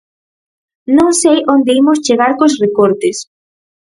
Non sei onde imos chegar cos recortes.